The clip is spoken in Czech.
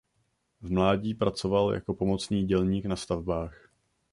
V mladí pracoval jako pomocný dělník na stavbách.